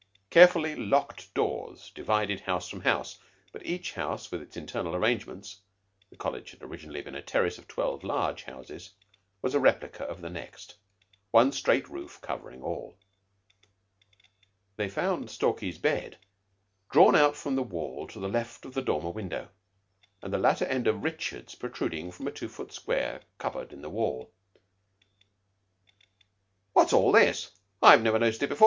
Carefully locked doors divided house from house, but each house, in its internal arrangements the College had originally been a terrace of twelve large houses was a replica of the next; one straight roof covering all. They found Stalky's bed drawn out from the wall to the left of the dormer window, and the latter end of Richards protruding from a two foot square cupboard in the wall. "What's all this? I've never noticed it before.